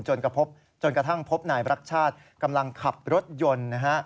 จนกระทั่งพบนายรักชาติกำลังขับรถยนต์นะฮะ